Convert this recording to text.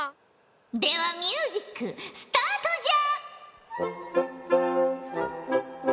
ではミュージックスタートじゃ！